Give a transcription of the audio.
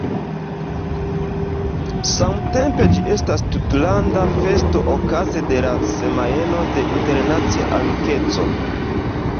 Samtempe ĝi estas tutlanda festo okaze de la Semajno de Internacia Amikeco.